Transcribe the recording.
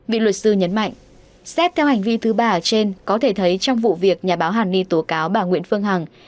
vị luật sư nhấn mạnh xét theo hành vi thứ ba ở trên có thể thấy trong vụ việc nhà báo hàn ni tố cáo bà nguyễn phương hằng